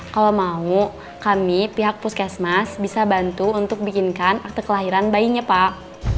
kalau mau kami pihak puskesmas bisa bantu untuk bikinkan akte kelahiran bayinya pak